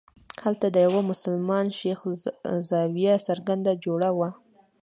هلته د یوه مسلمان شیخ زاویه څرنګه جوړه وه.